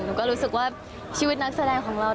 รู้สึกว่าชีวิตนักแสดงของเรา